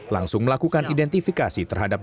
langsung melakukan identifikasi terhadap